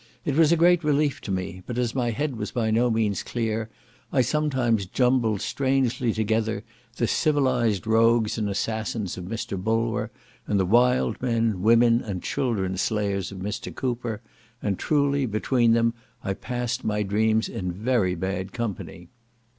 It was a great relief to me; but as my head was by no means very clear, I sometimes jumbled strangely together the civilized rogues and assassins of Mr. Bulwer, and the wild men, women, and children slayers of Mr. Cooper; and, truly, between them, I passed my dreams in very bad company.